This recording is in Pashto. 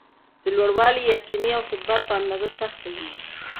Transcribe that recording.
د لوړوالي ،یقین او ثبات په اندازه سخته وي.